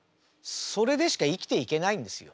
それでしか生きていけないんですよ。